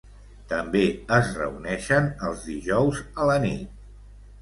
També es reuneixen els dijous a la nit.